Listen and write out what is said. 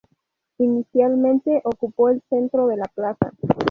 Inicialmente ocupó el centro de la plaza.